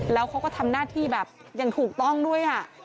แล้วเขาก็ทำหน้าที่แบบอย่างถูกต้องด้วย